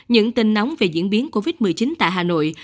những tin nóng về diễn biến covid một mươi chín tại hà nội